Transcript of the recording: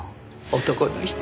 男の人。